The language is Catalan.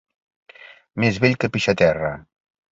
Més vell que pixar a terra.